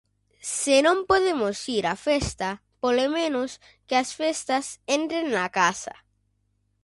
Se non podemos ir á festa, polo menos que as festas entren na casa.